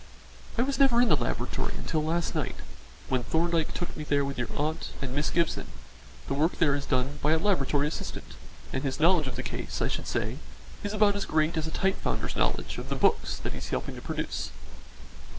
"I was never in the laboratory until last night, when Thorndyke took me there with your aunt and Miss Gibson; the work there is done by the laboratory assistant, and his knowledge of the case, I should say, is about as great as a type founder's knowledge of the books that he is helping to produce.